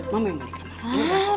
mama yang balik ke kamar